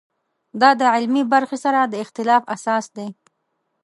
دا د علمي برخې سره د اختلاف اساس دی.